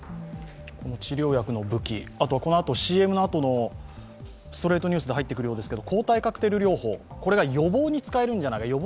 治療薬の武器、ＣＭのあとのストレートニュースで入ってくるようですけど抗体カクテル療法これを予防に使おうじゃないか